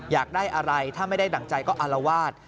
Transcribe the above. อยากได้อะไรถ้าไม่ได้ดั่งใจก็อารวาส